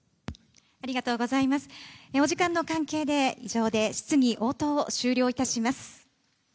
お時間の関係で以上で質疑応答を終了いたします。